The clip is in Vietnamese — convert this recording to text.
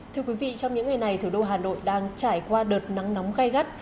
thưa quý vị trong những ngày này thủ đô hà nội đang trải qua đợt nắng nóng gai gắt